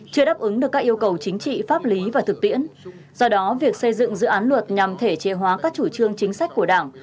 chưa đáp ứng được các yêu cầu chính trị pháp lý và thực tiễn do đó việc xây dựng dự án luật nhằm thể chế hóa các chủ trương chính sách của đảng